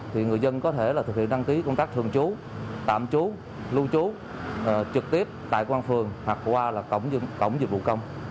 thì người dân có thể là thực hiện đăng ký công tác thường trú tạm trú lưu trú trực tiếp tại quang phường hoặc qua là cổng dịch vụ công